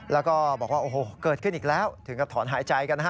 แล้วก็บอกว่าเกิดขึ้นอีกแล้วถึงกับถอนหายใจกัน